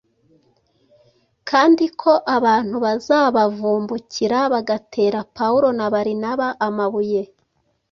kandi ko abantu bazabavumbukira bagatera Pawulo na Barinaba amabuye,